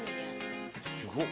すごっ！